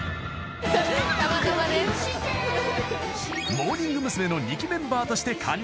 ［モーニング娘。の２期メンバーとして加入］